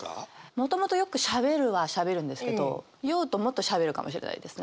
もともとよくしゃべるはしゃべるんですけど酔うともっとしゃべるかもしれないですね。